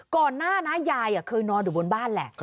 ก่อนหน้านะยายเคยนอนอยู่บนบ้านแหละ